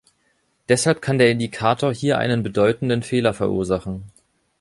Deshalb kann der Indikator hier einen bedeutenden Fehler verursachen.